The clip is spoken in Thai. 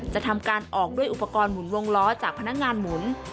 จะทำการออกด้วยอุปกรณ์หมุนวงล้อจากพนักงานหมุน